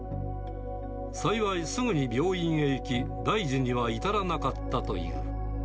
幸い、すぐに病院へ行き、大事には至らなかったという。